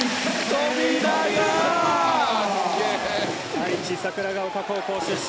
愛知、桜丘高校出身。